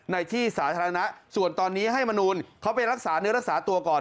ในที่สาธารณะส่วนตอนนี้ให้มนูลเขาไปรักษาเนื้อรักษาตัวก่อน